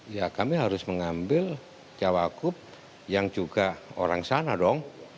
ya kami harus mengambil cawagup yang juga orang sana dong